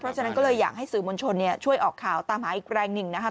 เพราะฉะนั้นก็เลยอยากให้สื่อมวลชนช่วยออกข่าวตามหาอีกแรงหนึ่งนะครับ